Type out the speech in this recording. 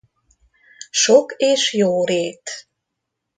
Sok és jó rét.